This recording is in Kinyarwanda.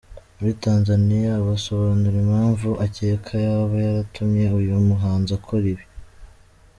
muri Tanzaniya abasobanura impamvu akeka yaba yaratumye uyu muhanzi akora ibi.